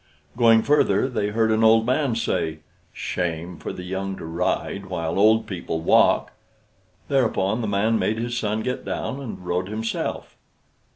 Going further, they heard an old man say, "Shame for the young to ride while old people walk!" Thereupon the man made his son get down and rode himself.